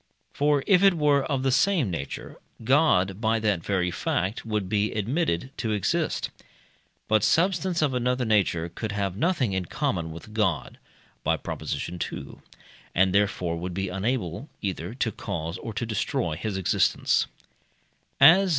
For if it were of the same nature, God, by that very fact, would be admitted to exist. But substance of another nature could have nothing in common with God (by Prop. ii.), and therefore would be unable either to cause or to destroy his existence.